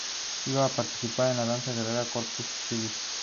La mesa con el paciente avanza progresivamente mientras se realiza el disparo.